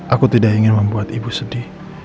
aku tidak ingin membuat ibu sedih